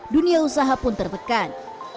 dunia usaha pun tertekan